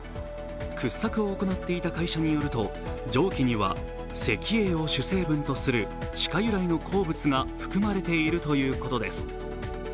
掘削を行っていた会社によると、蒸気には石英を主成分とする地下由来の鉱物が含まれているということです。